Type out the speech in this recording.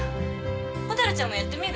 蛍ちゃんもやってみる？